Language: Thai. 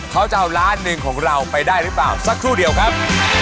เขาจะเอาล้านหนึ่งของเราไปได้หรือเปล่าสักครู่เดียวครับ